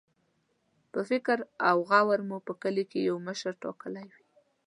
په فکر او غور مو په کلي کې یو مشر ټاکلی وي.